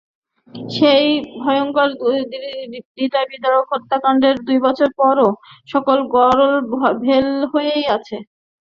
সেই ভয়ংকর হূদয়বিদারক হত্যাকাণ্ডের দুই বছর পরও সকলই গরল ভেল হয়েই আছে।